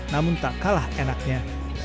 namun tak kalah enaknya